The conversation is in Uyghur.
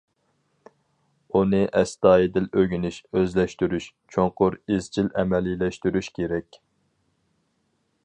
ئۇنى ئەستايىدىل ئۆگىنىش، ئۆزلەشتۈرۈش، چوڭقۇر ئىزچىل ئەمەلىيلەشتۈرۈش كېرەك.